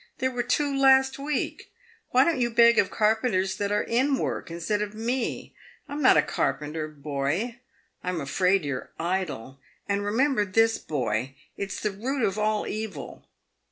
There were two last week. "Why don't you beg of carpenters that are in work, in stead of me? I'm not a carpenter, boy. I'm afraid you're idle; and remember this, boy — it's the root of all evil."